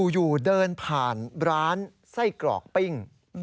อยู่เดินผ่านร้านไส้กรอกปิ้ง